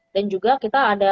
dan juga kita ada